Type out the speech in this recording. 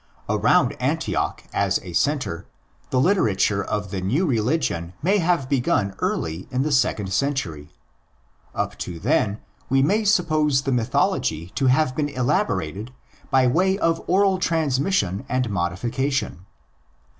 Around Antioch as a centre the literature of the new religion may have begun early in the second century. Up to then we may suppose the mythology to have been elaborated by way of oral transmission and modification.